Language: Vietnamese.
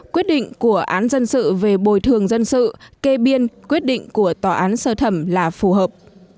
quyết định của án dân sự về bồi thường dân sự kê biên quyết định của tòa án sơ thẩm là phù hợp